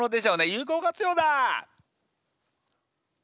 有効活用だ！